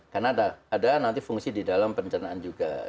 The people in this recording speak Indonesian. karena ada nanti fungsi di dalam pencernaan juga